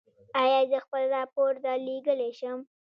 ایا زه خپل راپور درلیږلی شم؟